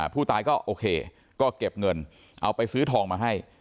ผู้ตายก็โอเคก็เก็บเงินเอาไปซื้อทองมาให้